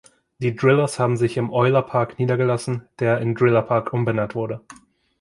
Die Drillers haben sich im Oiler Park niedergelassen, der in Driller Park umbenannt wurde.